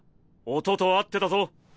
音と合ってたぞ。